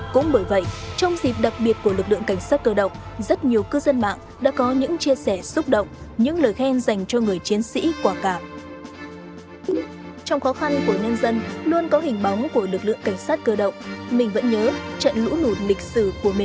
cũng bởi vậy trong dịp đặc biệt của lực lượng cảnh sát cơ động rất nhiều cư dân mạng đã có những chia sẻ xúc động những lời khen dành cho người chiến sĩ quả cảm